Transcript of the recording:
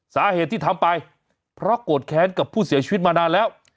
สาเหตุที่ทำไปเพราะโกรธแค้นกับผู้เสียชีวิตมานานแล้ว